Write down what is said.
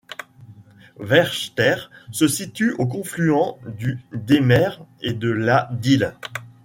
Werchter se situe au confluent du Démer et de la Dyle.